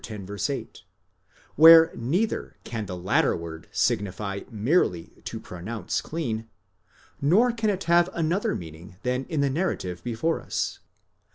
8), where neither can the latter word signify merely to pronounce clean, nor can it have another meaning than in the narrative before us.